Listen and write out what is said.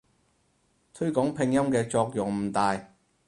推廣拼音嘅作用唔大